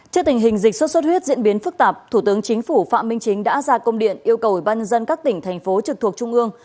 trước tình hình dịch sốt xuất huyết diễn biến phức tạp thủ tướng chính phủ phạm minh chính đã ra công điện yêu cầu ban dân các tỉnh thành phố trực thuộc trung ương